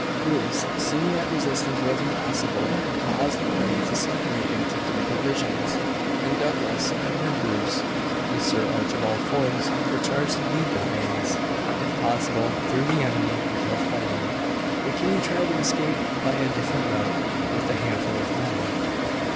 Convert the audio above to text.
Bruce, seeing that resistance was impossible, caused his party to separate into three divisions, and Douglas, Edward Bruce, and Sir Archibald Forbes were charged to lead their bands, if possible, through the enemy without fighting. The king tried to escape by a different route with a handful of men.